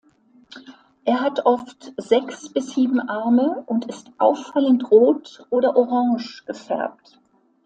Er hat oft sechs bis sieben Arme und ist auffallend rot oder orange gefärbt.